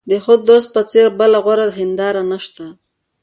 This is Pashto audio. د ښه دوست په څېر بله غوره هنداره نشته.